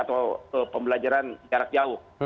atau pembelajaran jarak jauh